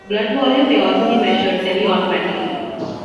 Blood Volume may also be measured semi-automatically.